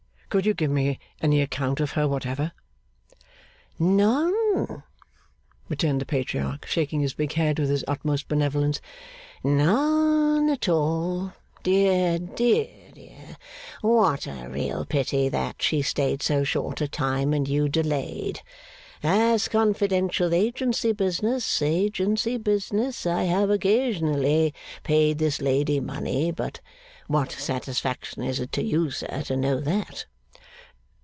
Could you give me any account of her whatever?' 'None,' returned the Patriarch, shaking his big head with his utmost benevolence. 'None at all. Dear, dear, dear! What a real pity that she stayed so short a time, and you delayed! As confidential agency business, agency business, I have occasionally paid this lady money; but what satisfaction is it to you, sir, to know that?